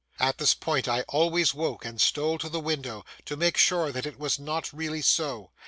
At this point I always woke and stole to the window, to make sure that it was not really so.